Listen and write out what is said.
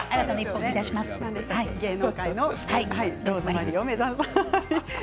芸能界のローズマリーを目指すんですね。